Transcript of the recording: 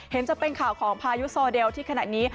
เห็นจะเป็นข่าวของพายุสอเดลที่ขนาดนี้